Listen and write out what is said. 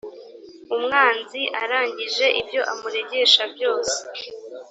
umwanzi arangije ibyo amugerageresha byose.